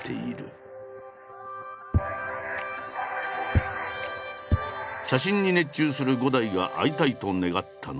写真に熱中する伍代が会いたいと願ったのは。